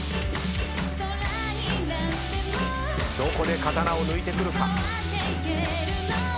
どこで刀を抜いてくるか。